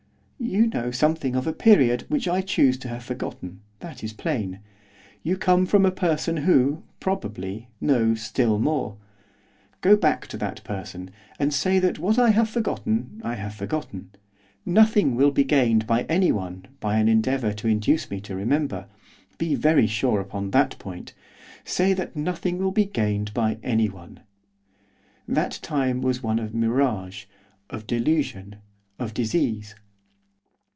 'You know something of a period which I choose to have forgotten, that is plain; you come from a person who, probably, knows still more. Go back to that person and say that what I have forgotten I have forgotten; nothing will be gained by anyone by an endeavour to induce me to remember, be very sure upon that point, say that nothing will be gained by anyone. That time was one of mirage, of delusion, of disease.